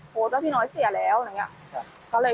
โพสต์ว่าพี่น้อยเสียแล้วอะไรอย่างนี้